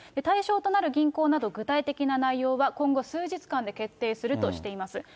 対象となる銀行など、具体的な内容は、今後、数日間で決定するとしています。